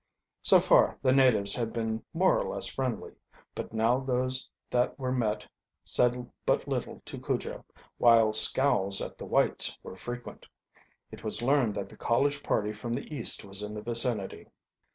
So far the natives had been more or less friendly, but now those that were met said but little to Cujo, while scowls at the whites were frequent. It was learned that the college party from the East was in the vicinity.